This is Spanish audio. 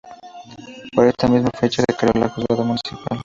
Por esta misma fecha se creó el juzgado municipal.